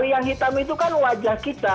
yang hitam itu kan wajah kita